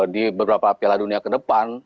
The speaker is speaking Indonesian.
di beberapa piala dunia ke depan